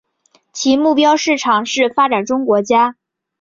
其目标市场是发展中国家。